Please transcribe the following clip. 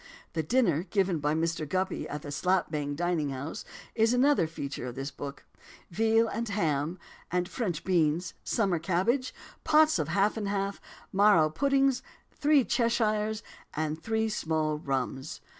The dinner given by Mr. Guppy at the "Slap Bang" dining house is another feature of this book veal and ham, and French beans, summer cabbage, pots of half and half, marrow puddings, "three Cheshires" and "three small rums."